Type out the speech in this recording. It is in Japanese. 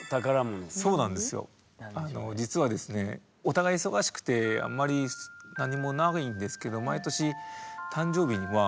実はですねお互い忙しくてあんまり何もないんですけどえ